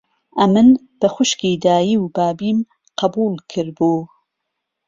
ئهمن به خوشکی دایی و بابيم قهبووڵ کردبو